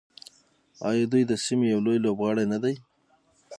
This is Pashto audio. آیا دوی د سیمې یو لوی لوبغاړی نه دی؟